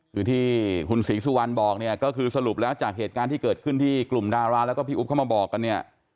คือที่คุณศรีสุวรรณบอกเนี่ยก็คือสรุปแล้วจากเหตุการณ์ที่เกิดขึ้นที่กลุ่มดาราแล้วก็พี่อุ๊บเข้ามาบอกกันเนี่ย